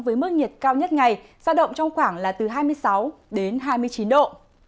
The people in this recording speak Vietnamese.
với mức nhiệt cao nhất ngày ra động trong khoảng hai mươi sáu hai mươi chín độ